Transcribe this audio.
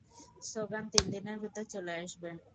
সোগান তিনদিনের ভিতর চলে আসবে।